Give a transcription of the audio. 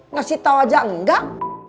ngasih tau aja enggak